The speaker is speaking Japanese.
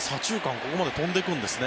ここまで飛んでいくんですね